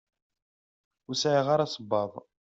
Ur sɛiɣ ara sebbaḍ.